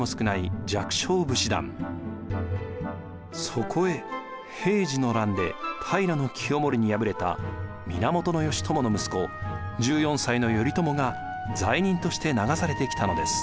そこへ平治の乱で平清盛に敗れた源義朝の息子１４歳の頼朝が罪人として流されてきたのです。